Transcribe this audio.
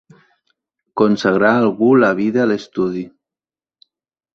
Consagrar algú la vida a l'estudi.